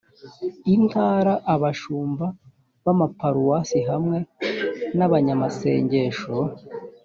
intara abashumba b amaparuwasi hamwe n abanyamasengesho